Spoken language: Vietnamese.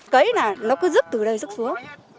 cấy là nó cứ rứt từ đây rứt xuống